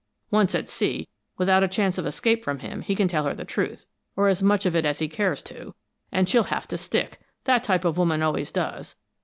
Once at sea, without a chance of escape from him, he can tell her the truth, or as much of it as he cares to, and she'll have to stick; that type of woman always does.